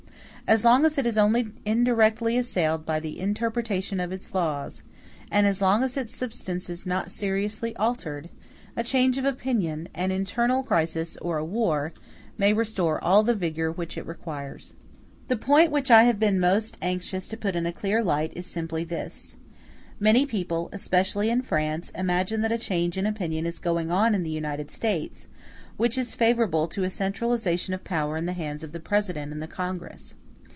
As long as it is only indirectly assailed by the interpretation of its laws, and as long as its substance is not seriously altered, a change of opinion, an internal crisis, or a war, may restore all the vigor which it requires. The point which I have been most anxious to put in a clear light is simply this: Many people, especially in France, imagine that a change in opinion is going on in the United States, which is favorable to a centralization of power in the hands of the President and the Congress.